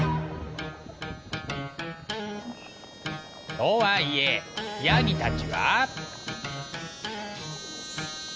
とはいえヤギたちは。